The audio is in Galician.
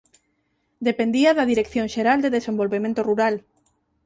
Dependía da Dirección Xeral de Desenvolvemento Rural.